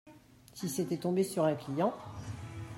Si c’était tombé sur un client !…